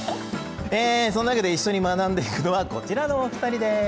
そんなわけで一緒に学んでいくのはこちらのお二人です。